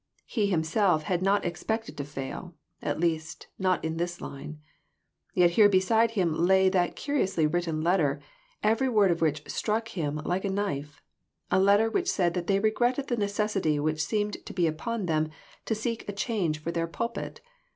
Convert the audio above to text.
He himself had not expected to fail, at least, not in this line ; yet here beside him lay that curiously written letter, every word of which struck at him like a knife. A letter which said that they regretted the necessity which seemed to be upon them to seek a change for their pulpit.